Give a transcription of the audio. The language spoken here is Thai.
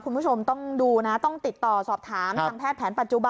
คุณผู้ชมต้องดูนะต้องติดต่อสอบถามทางแพทย์แผนปัจจุบัน